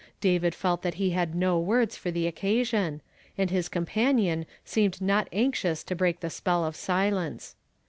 David felt that he had no words for the occasion, and his companion seemed not anxious to break the spell of silence.